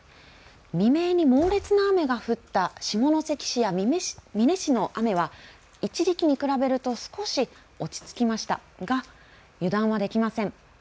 未明に猛烈な雨が降った下関市や美祢市の雨は一時期に比べると少し落ち着きましたが油断はできません。